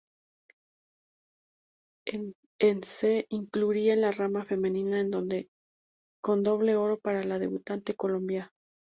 En se incluiría en la rama femenina con doble oro para la debutante Colombia.